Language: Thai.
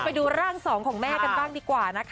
ไปดูร่างสองของแม่กันบ้างดีกว่านะคะ